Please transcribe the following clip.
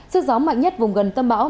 sự gió mạnh nhất vùng gần tâm bão